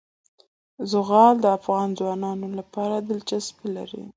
زغال د افغان ځوانانو لپاره دلچسپي لري.